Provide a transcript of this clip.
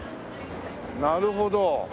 なるほど。